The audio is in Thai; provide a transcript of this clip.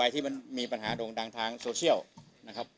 ที่มันมีปัญหาโด่งดังทางโซเชียลนะครับ